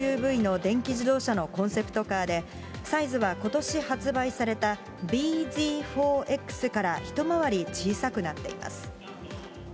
トヨタ自動車が初公開したのは、小型ＳＵＶの電気自動車のコンセプトカーで、サイズはことし発売された、ｂＺ４Ｘから一回り小さくなっています。